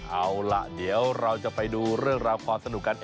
เอาล่ะเดี๋ยวเราจะไปดูเรื่องราวความสนุกกัน